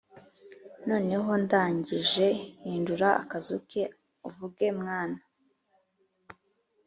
noneho ndangije, hindura akazu ke uvuge: "mwana,